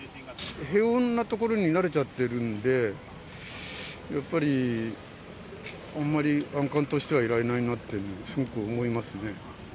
平穏な所に慣れちゃってるんで、やっぱりあんまり安閑としてはいられないなって、すごく思いますね。